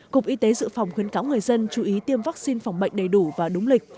cục y tế dự phòng khuyến cáo người dân chú ý tiêm vaccine phòng bệnh đầy đủ và đúng lịch